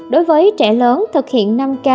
đối với trẻ lớn thực hiện năm k